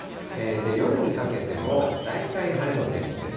夜にかけても大体晴れの天気です。